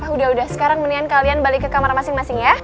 udah udah sekarang mendingan kalian balik ke kamar masing masing ya